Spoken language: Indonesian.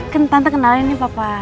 kan tante kenalin nih papa